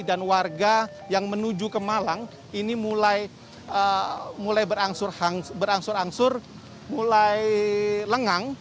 dan warga yang menuju ke malang ini mulai berangsur angsur mulai lengang